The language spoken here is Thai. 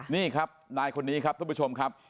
นี่ครับนายคนนี้ครับท่านผู้ชมครับ